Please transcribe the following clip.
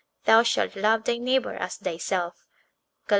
Thou shalt love thy neighbour as thyself (Lev.